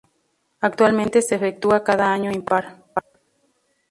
Actualmente se efectúa cada año impar.